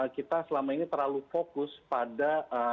kita selama ini terlalu fokus pada